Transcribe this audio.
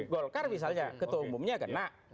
golkar misalnya ketua umumnya kena